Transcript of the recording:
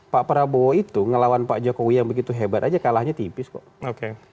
pak prabowo itu ngelawan pak jokowi yang begitu hebat aja kalahnya tipis kok